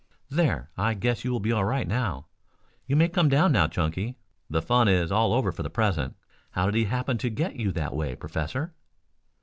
"There, I guess you will be all right now. You may come down, Chunky. The fun is all over for the present. How did he happen to get you that way, Professor?"